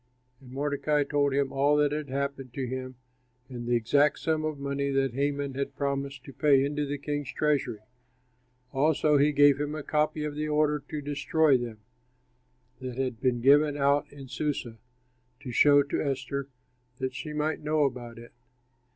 And Mordecai told him all that had happened to him and the exact sum of money that Haman had promised to pay into the king's treasury. Also he gave him a copy of the order to destroy them, that had been given out in Susa, to show to Esther that she might know about it.